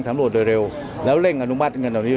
ตราบใดที่ตนยังเป็นนายกอยู่